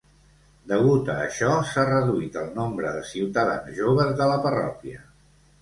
Degut a això, s'ha reduït el nombre de ciutadans joves de la parròquia.